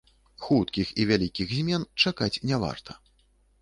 Хуткіх і вялікіх змен чакаць не варта.